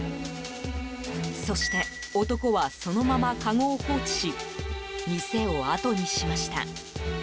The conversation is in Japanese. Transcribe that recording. そして、男はそのまま、かごを放置し店をあとにしました。